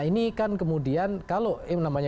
ini kan kemudian kalau namanya